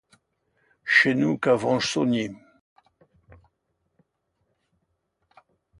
Ch'est nous qu'avons saugni.